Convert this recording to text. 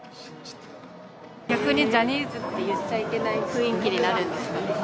逆にジャニーズって言っちゃいけない雰囲気になる。